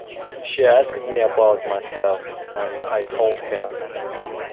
She asked me about myself, and I told her.